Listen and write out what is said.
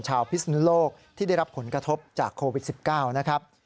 พิศนุโลกที่ได้รับผลกระทบจากโควิด๑๙นะครับ